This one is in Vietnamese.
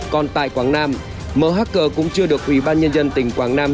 còn tại quảng nam mhg cũng chưa được ủy ban nhân dân tỉnh quảng nam